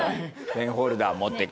ペンホルダー持って。